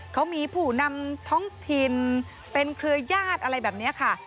เขามีผู้นำท้องถิ่นเป็นเครือญาติอะไรแบบนี้ค่ะ